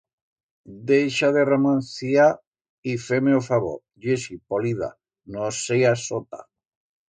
Deixa de romanciar y fer-me o favor, Yesi, polida, no seas sota.